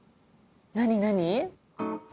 何何？